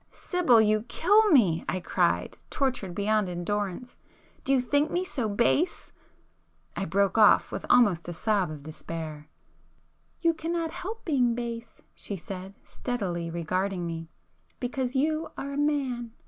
"Sibyl, you kill me!" I cried, tortured beyond endurance, "Do you think me so base——" I broke off with almost a sob of despair. "You cannot help being base," she said, steadily regarding me,—"because you are a man.